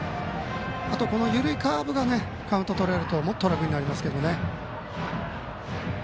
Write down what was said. あとは緩いカーブでカウントがとれるともっと楽になりますけどね。